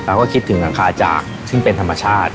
ก็คิดถึงหลังคาจากซึ่งเป็นธรรมชาติ